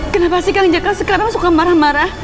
kenapa sih kang jack sekarang suka marah marah